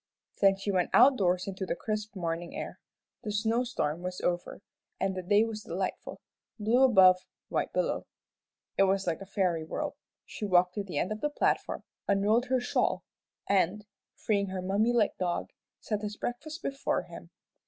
Then she went outdoors into the crisp morning air. The snow storm was over, and the day was delightful blue above, white below. It was like a fairy world. She walked to the end of the platform, unrolled her shawl, and, freeing her mummy like dog, set his breakfast before him.